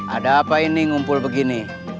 ada apa ini ngumpul begini